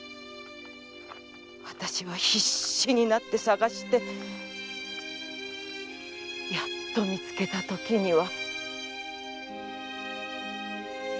わたしは必死になって捜してやっと見つけたときには。